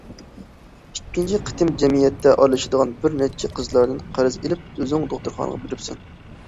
ئىككىنچى قېتىم جەمئىيەتتە ئارىلىشىدىغان بىر نەچچە قىزلاردىن قەرز ئېلىپ ئۆزۈڭ دوختۇرخانىغا بېرىپسەن.